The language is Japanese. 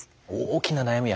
大きな悩み